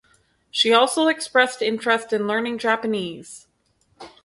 She also expressed interest in learning Japanese.